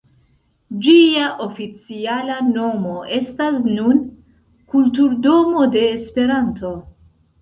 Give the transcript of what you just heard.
Ĝia oficiala nomo estas nun “Kulturdomo de Esperanto”.